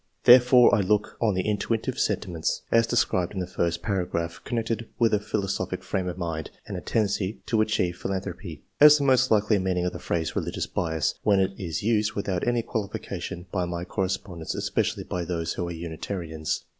Therefore I look on the intuitive sentiments, as described in the first paragraph, connected with a philosophic frame of mind and a ten dency to active philanthropy, as the most likely meaning of the phrase " religious bias," when it is used without any qualification by my corre spondents, especially by those who are Unitarians.